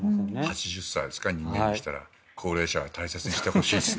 ８０歳ですか人間にしたら高齢者は大切にしてほしいです